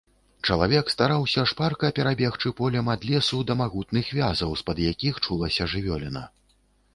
Чалавек стараўся шпарка перабегчы полем ад лесу да магутных вязаў, з-пад якіх чулася жывёліна.